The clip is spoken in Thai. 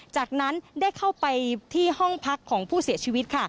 จากนั้นได้เข้าไปที่ห้องพักของผู้เสียชีวิต